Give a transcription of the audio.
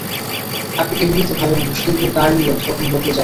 আপনি এমনিতে ভালো মানুষ, কিন্তু কার নিয়ত, কখন বদলে যায়।